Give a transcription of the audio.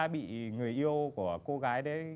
bị người yêu của cô gái đấy